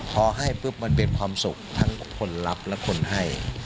พอให้ปุ๊บมันเป็นความสุขทั้งคนรับและคนให้